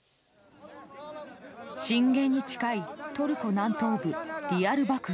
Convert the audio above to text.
震源に近いトルコ南東部ディヤルバクル。